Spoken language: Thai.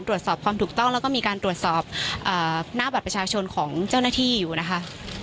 ตรวจสอบความถูกต้องแล้วก็มีการตรวจสอบหน้าบัตรประชาชนของเจ้าหน้าที่อยู่นะคะ